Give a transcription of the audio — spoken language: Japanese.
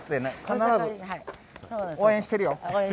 必ず「応援してるよ」。